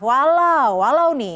walau walau nih